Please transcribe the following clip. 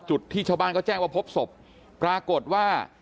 จุดที่ชาวบ้านเขาแจ้งว่าพบศพปรากฏว่า